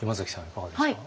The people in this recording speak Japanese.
いかがですか？